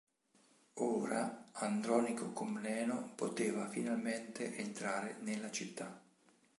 Ora Andronico Comneno poteva finalmente entrare nella città.